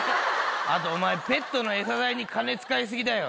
あとお前ペットの餌代に金使い過ぎだよ。